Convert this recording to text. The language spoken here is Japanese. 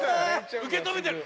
受け止めてやる！